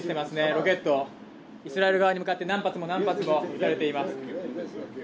ロケットイスラエル側に向かって何発も何発も撃たれています